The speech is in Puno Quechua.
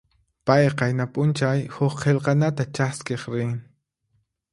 Pay qayna p'unchay huk qillqanata chaskiq rin.